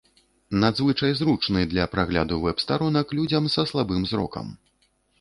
Надзвычай зручны для прагляду вэб-старонак людзям са слабым зрокам.